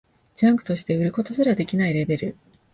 ジャンクとして売ることすらできないレベル